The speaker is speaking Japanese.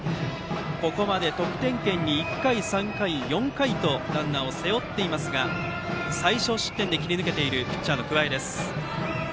ここまで得点圏に１回、３回、４回とランナーを背負っていますが最少失点で切り抜けているピッチャーの桑江。